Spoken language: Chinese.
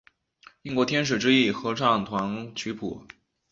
英国天使之翼合唱团谱曲。